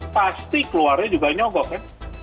pasti keluarnya juga nyogok kan